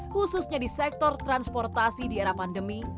khususnya di sektor transportasi di era pandemi